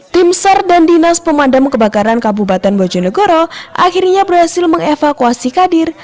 tim sar dan dinas pemadam kebakaran kabupaten bojonegoro akhirnya berhasil mengevakuasi kadir